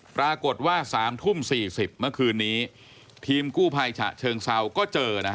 ปรากฏว่า๓ทุ่ม๔๐เมื่อคืนนี้ทีมกู้ภัยฉะเชิงเซาก็เจอนะฮะ